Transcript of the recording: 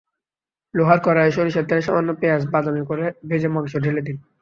লোহার কড়াইয়ে সরিষার তেলে সামান্য পেঁয়াজ বাদামি করে ভেজে মাংস ঢেলে দিন।